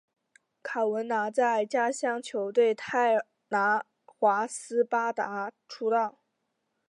卡文拿在家乡球队泰拿华斯巴达出道。